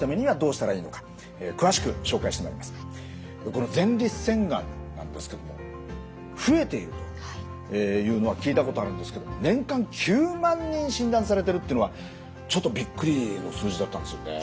この前立腺がんなんですけれども増えているというのは聞いたことあるんですけど年間９万人診断されてるっていうのはちょっとびっくりの数字だったんですよね。